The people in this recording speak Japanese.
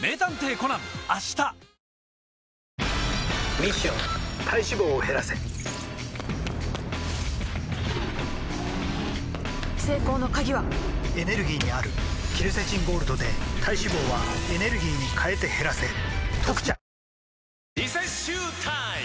ミッション体脂肪を減らせ成功の鍵はエネルギーにあるケルセチンゴールドで体脂肪はエネルギーに変えて減らせ「特茶」リセッシュータイム！